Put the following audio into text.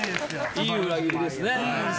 いい裏切りですね。